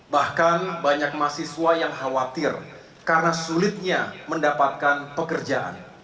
bahkan banyak mahasiswa yang khawatir karena sulitnya mendapatkan pekerjaan